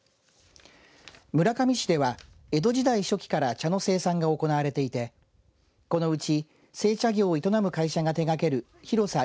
村上市では江戸時代初期から茶の生産が行われていてこのうち製茶業を営む会社が手がける広さ１．５